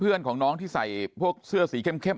เพื่อนของน้องที่ใส่พวกเสื้อสีเข้ม